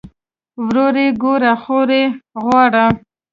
ورور ئې ګوره خور ئې غواړه